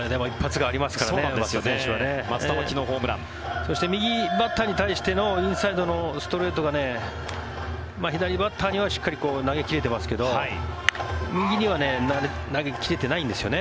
そして右バッターに対してのインサイドのストレートが左バッターにはしっかり投げ切れていますけど右には投げ切れてないんですよね。